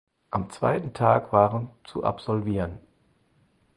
Am zweiten Tag waren zu absolvieren.